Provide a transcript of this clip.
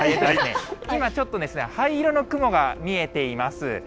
今ちょっとですね、灰色の雲が見えています。